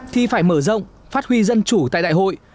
thì phải mở rộng phát huy dân chủ tại đại hội